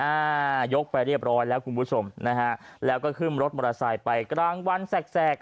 อ่ายกไปเรียบร้อยแล้วคุณผู้ชมนะฮะแล้วก็ขึ้นรถมอเตอร์ไซค์ไปกลางวันแสกแสก